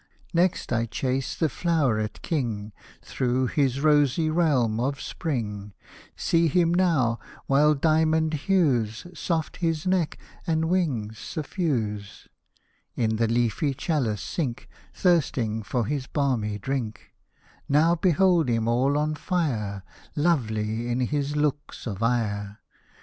Next I chase the floweret king Through his rosy realm of spring ; See him now, while diamond hues Soft his neck and wings suffuse, In the leafy chalice sink, Thirsting for his balmy drink ; Now behold him all on fire, Lovely in his lofeks of ire.